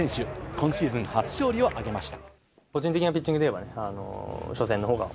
今シーズン初勝利を挙げました。